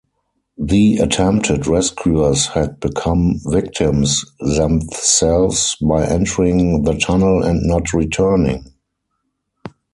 The attempted rescuers had become victims themselves by entering the tunnel and not returning.